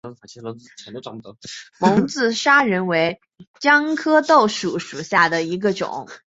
蒙自砂仁为姜科豆蔻属下的一个种。